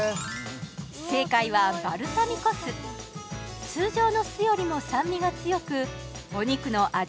正解はバルサミコ酢通常の酢よりも酸味が強くお肉の味